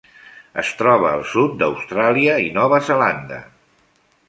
Es troba al sud d'Austràlia i Nova Zelanda.